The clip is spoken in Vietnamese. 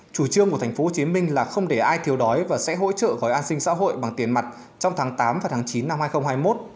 chủ trương của tp hcm là không để ai thiếu đói và sẽ hỗ trợ gói an sinh xã hội bằng tiền mặt trong tháng tám và tháng chín năm hai nghìn hai mươi một